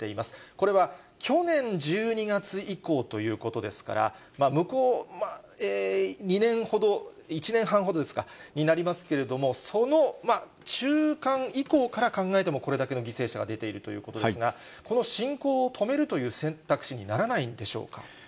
これは去年１２月以降ということですから、向こう２年ほど、１年半ほどになりますけれども、その中間以降から考えてもこれだけの犠牲者が出ているということですが、この侵攻を止めるという選択肢にならないんでしょうか。